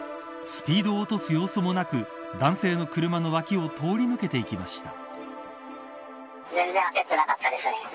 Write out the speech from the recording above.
スピードを落とす様子もなく男性の車の脇を通り抜けていきました。